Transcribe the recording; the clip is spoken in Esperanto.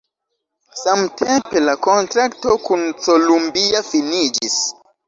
Samtempe la kontrakto kun Columbia finiĝis.